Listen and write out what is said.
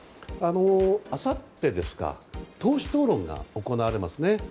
あさってですか党首討論が行われますね。